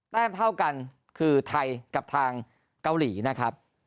แม้เท่ากันคือไทยกับทางเกาหลีนะครับ